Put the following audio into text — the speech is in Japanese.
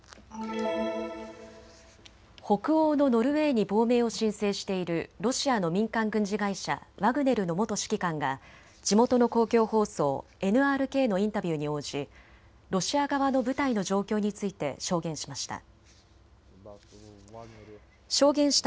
北欧のノルウェーに亡命を申請しているロシアの民間軍事会社、ワグネルの元指揮官が地元の公共放送ＮＲＫのインタビューに応じロシア側の部隊の状況について証言しました。